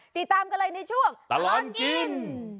ติดตามกันเลยในช่วงตลอดกิน